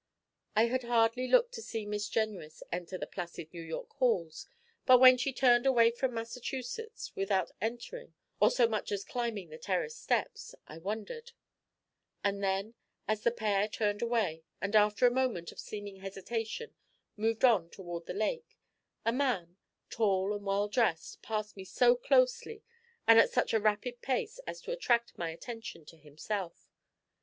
I had hardly looked to see Miss Jenrys enter the placid New York halls, but when she turned away from Massachusetts without entering or so much as climbing the terrace steps, I wondered; and then, as the pair turned away, and after a moment of seeming hesitation moved on toward the lake, a man, tall and well dressed, passed me so closely and at such a rapid pace as to attract my attention to himself.